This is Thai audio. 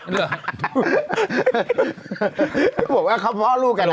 พี่บอกว่าเขาพ่อลูกกันนะคะ